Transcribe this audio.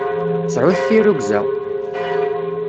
Sɛut tirrugza!